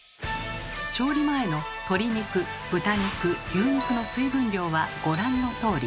調理前の鶏肉豚肉牛肉の水分量はご覧のとおり。